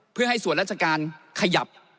เพื่อให้ส่วนราชการขยับ